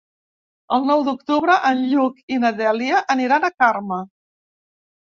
El nou d'octubre en Lluc i na Dèlia aniran a Carme.